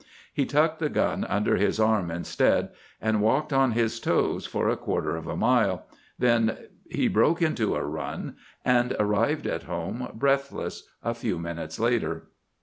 He tucked the gun under his arm instead and walked on his toes for a quarter of a mile, then he broke into a run, and arrived at home breathless a few minutes later.